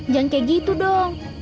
jangan kaya gitu dong